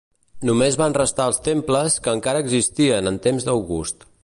Només van restar els temples que encara existien en temps d'August.